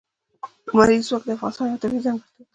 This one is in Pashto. لمریز ځواک د افغانستان یوه طبیعي ځانګړتیا ده.